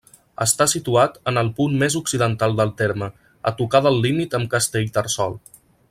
Està situat en el punt més occidental del terme, a tocar del límit amb Castellterçol.